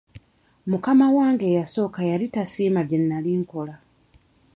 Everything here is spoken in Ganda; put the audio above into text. Mukama wange eyasooka yali tasiima bye nali nkola.